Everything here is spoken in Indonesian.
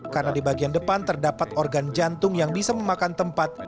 karena di bagian depan terdapat organ jantung yang bisa memakan tempat